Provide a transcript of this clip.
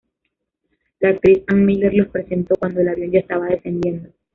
La actriz Ann Miller los presentó cuando el avión ya estaba descendiendo.